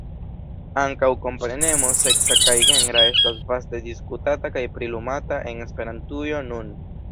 Ankaŭ komprenemo seksa kaj genra estas vaste diskutata kaj prilumata en Esperantujo nun.